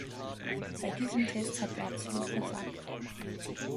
Bei diesem Test hat er absolut versagt.